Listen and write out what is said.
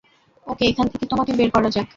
ওকে, এখান থেকে তোমাকে বের করা যাক।